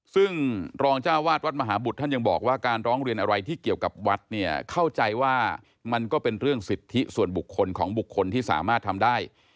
ซึ่งรองจ้าวาดวัดมหาบุตรท่านยังบอกว่าการร้องเรียนอะไรที่เกี่ยวกับวัดเนี่ยเข้าใจว่ามันก็เป็นเรื่องสิทธิส่วนบุคคลของบุคคลที่สามารถทำได้